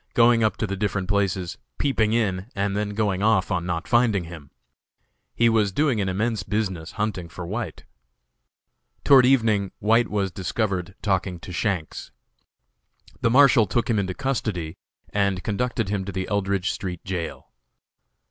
going up to the different places, peeping in, and then going off on not finding him. He was doing an immense business hunting for White. Toward evening White was discovered talking to Shanks. The Marshal took him into custody and conducted him to the Eldridge street jail.